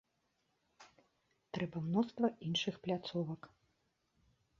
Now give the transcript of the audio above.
Трэба мноства іншых пляцовак.